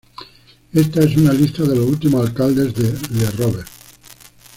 Esta es una lista de los últimos Alcaldes de "Le Robert".